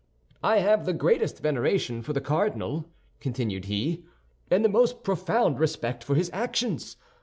"I have the greatest veneration for the cardinal," continued he, "and the most profound respect for his actions.